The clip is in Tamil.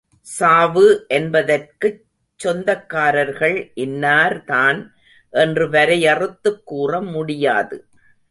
சாவு என்பதற்குச் சொந்தக்காரர்கள் இன்னார் தான் என்று வரையறுத்துக் கூற முடியாது.